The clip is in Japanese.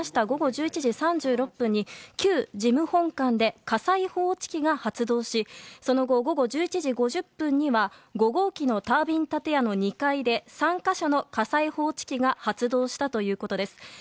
午後１１時３６分に旧事務本館で火災報知器が発動しその後１１時５０分には５号機のタービン建屋の２階で３か所の火災報知機が発動したということです。